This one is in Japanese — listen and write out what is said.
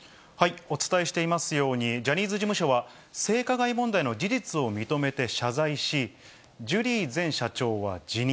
お伝えしていますように、ジャニーズ事務所は、性加害問題の事実を認めて謝罪し、ジュリー前社長は辞任。